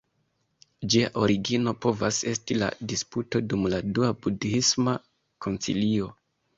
Ĝia origino povas esti la disputo dum la Dua Budhisma Koncilio.